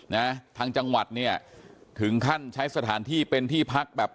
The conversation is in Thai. นะทางจังหวัดเนี่ยถึงขั้นใช้สถานที่เป็นที่พักแบบ